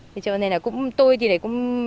thế cho nên là cũng tôi thì đấy cũng